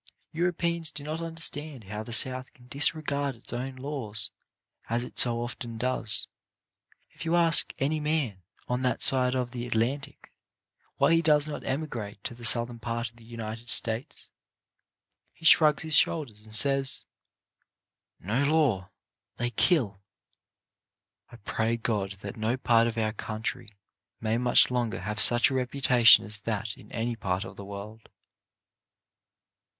Europeans do not understand how the South can disregard its own laws as it so often does. If you ask any man on that side of the Atlantic why he does not emigrate to the South ern part of the United States, he shrugs his should ders and says, " No law; they kill. " I pray God that no part of our country may much longer have such a reputation as that in any part of the world.